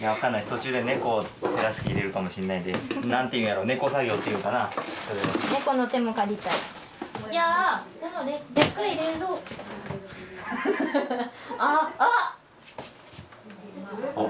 途中で猫手助け入れるかもしんないんで何て言うんやろう猫作業って言うんかな猫の手も借りたいじゃあこのデッカイ冷蔵あっハハハ